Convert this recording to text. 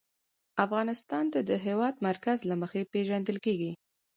افغانستان د د هېواد مرکز له مخې پېژندل کېږي.